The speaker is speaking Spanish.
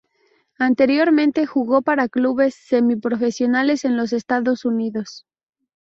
Anteriormente jugó para clubes semi-profesionales en los Estados Unidos.